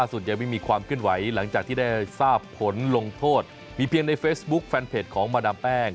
ส่วนยังไม่มีความเคลื่อนไหวหลังจากที่ได้ทราบผลลงโทษมีเพียงในเฟซบุ๊คแฟนเพจของมาดามแป้ง